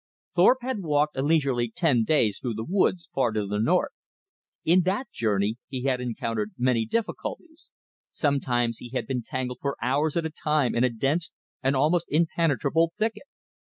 Thorpe had walked a leisurely ten days through the woods far to the north. In that journey he had encountered many difficulties. Sometimes he had been tangled for hours at a time in a dense and almost impenetrable thicket.